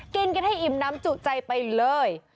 กินกันให้อิ่มน้ำจุใจไปเลย